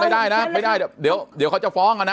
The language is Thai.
ไม่ได้นะไม่ได้เดี๋ยวเขาจะฟ้องกันนะ